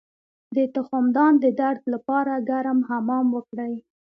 د تخمدان د درد لپاره ګرم حمام وکړئ